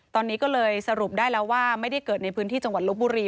ตอนนี้ก็เลยสรุปได้แล้วว่าไม่ได้เกิดในพื้นที่จังหวัดลบบุรี